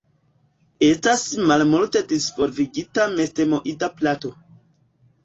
Estas malmulte disvolvigita mestemoida plato.